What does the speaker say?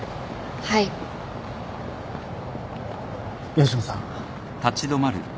吉野さん。